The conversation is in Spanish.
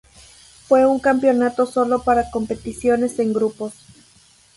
Fue un campeonato solo para competiciones en grupos.